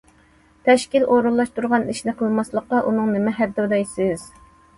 تەشكىل ئورۇنلاشتۇرغان ئىشنى قىلماسلىققا ئۇنىڭ نېمە ھەددى دەيسىز؟!